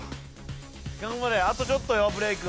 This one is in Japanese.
頑張れあとちょっとよブレイク